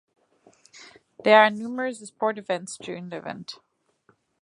There are numerous sport events during the event.